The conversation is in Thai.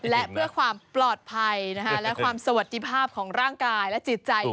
และเพื่อความปลอดภัยและความสวัสดิภาพของร่างกายและจิตใจ